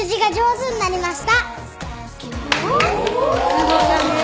すごかねぇ。